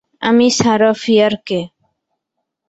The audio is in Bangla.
আমি সারাহ ফিয়ার কে!